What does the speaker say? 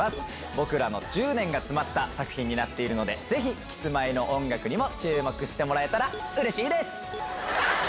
僕らの１０年が詰まった作品になっているのでぜひキスマイの音楽にも注目してもらえたらうれしいですっ！